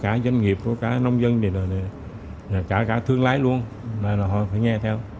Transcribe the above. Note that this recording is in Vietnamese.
cả doanh nghiệp cả nông dân cả thương lái luôn họ phải nghe theo